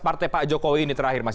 partai pak jokowi ini terakhir mas